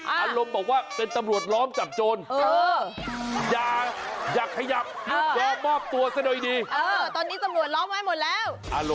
อารมณ์บอกว่าเป็นสำรวจล้อมจับโจร